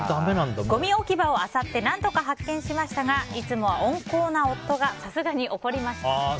ごみ置き場をあさって何とか発見しましたがいつもは温厚な夫がさすがに怒りました。